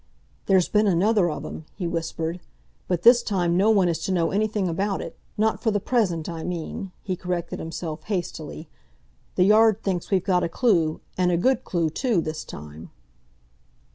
"There's been another of 'em!" he whispered. "But this time no one is to know anything about it—not for the present, I mean," he corrected himself hastily. "The Yard thinks we've got a clue—and a good clue, too, this time."